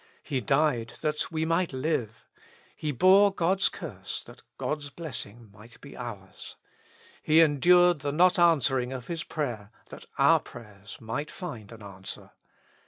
He died that we might hve. He bore God's curse that God's blessing might be ours. He endured the not answering of His prayer that our prayers might find an answer.